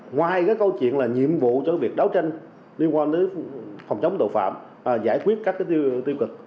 ngoài cái câu chuyện là nhiệm vụ cho việc đấu tranh liên quan đến phòng chống tội phạm giải quyết các tiêu cực